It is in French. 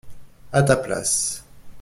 À ta place.